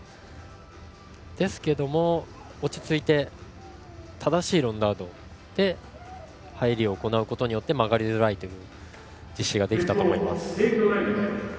ですけども、落ち着いて正しいロンダートで入りを行うことによって曲がりづらい実施ができたと思います。